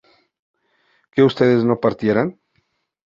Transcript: que ustedes no partieran